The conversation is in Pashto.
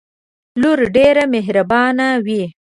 لور ډیره محربانه وی